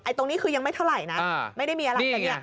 ไอตรงนี้คือยังไม่เท่าไหร่นะ